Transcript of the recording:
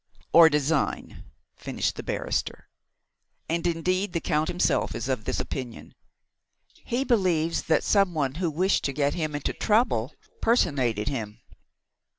"Or design," finished the barrister. "And, indeed, the Count himself is of this opinion. He believes that some one who wished to get him into trouble personated him."